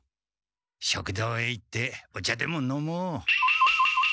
食堂へ行ってお茶でも飲もう。